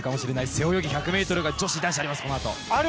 背泳ぎ１００ｍが女子、男子あります。